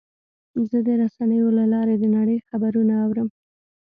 زه د رسنیو له لارې د نړۍ خبرونه اورم.